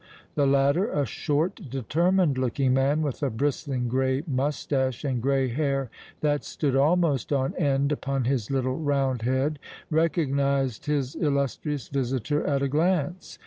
The latter, a short, determined looking man with a bristling gray moustache and gray hair that stood almost on end upon his little round head, recognized his illustrious visitor at a glance.